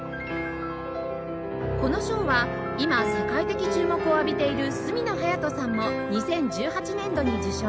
この賞は今世界的注目を浴びている角野隼斗さんも２０１８年度に受賞